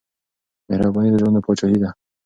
مهرباني د زړونو پاچاهي ده.